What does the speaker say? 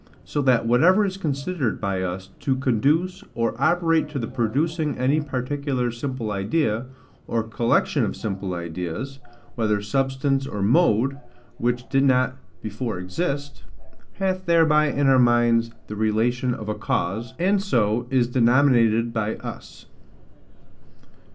So that whatever is considered by us to conduce or operate to the producing any particular simple idea, or collection of simple ideas, whether substance or mode, which did not before exist, hath thereby in our minds the relation of a cause, and so is denominated by us.